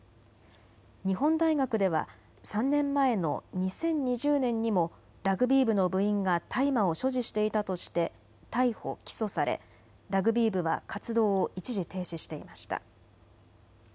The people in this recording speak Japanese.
日本大学では３年前の２０２０年にもラグビー部の部員が大麻を所持していたとして逮捕・起訴され、ラグビー部は活動を一時停止していました。